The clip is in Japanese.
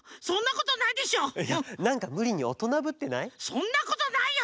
そんなことないよ！